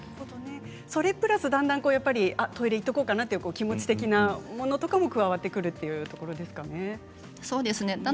それプラス、だんだんトイレに行っておこうかなという気持ち的なものも加わってくるというところですかね。